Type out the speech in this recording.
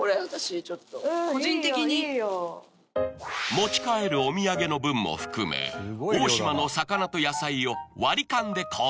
持ち帰るお土産の分も含め大島の魚と野菜を割り勘で購入